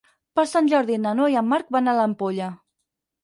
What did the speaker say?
Per Sant Jordi na Noa i en Marc van a l'Ampolla.